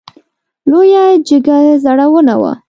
لویه جګه زړه ونه وه .